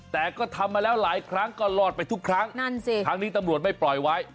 แต่ก็ทำมาแล้วหลายครั้งก็รอดไปทุกครั้งนั่นสิครั้งนี้ตำรวจไม่ปล่อยไว้